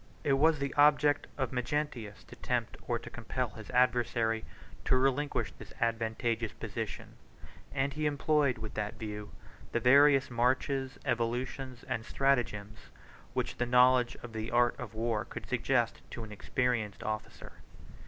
It was the object of Magnentius to tempt or to compel his adversary to relinquish this advantageous position; and he employed, with that view, the various marches, evolutions, and stratagems, which the knowledge of the art of war could suggest to an experienced officer.